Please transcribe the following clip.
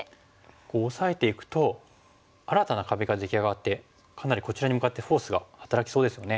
こうオサえていくと新たな壁が出来上がってかなりこちらに向かってフォースが働きそうですよね。